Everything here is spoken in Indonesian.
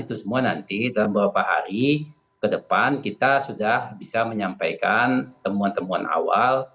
itu semua nanti dalam beberapa hari ke depan kita sudah bisa menyampaikan temuan temuan awal